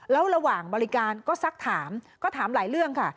แล้วระหว่างบริการก็สักถามก็ถามหลายเรื่องค่ะ